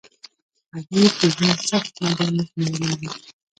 غریب د ژوند سخت میدان ازمویلی وي